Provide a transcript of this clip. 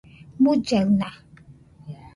mullaɨna